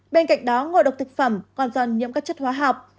bên cạnh đó ngộ độc thực phẩm còn do nhiễm các chất hóa học